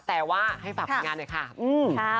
แต่ว่าให้ฝากงานเลยค่ะ